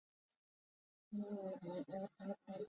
僧侣鞋是商务场所正式度第二高的正装皮鞋。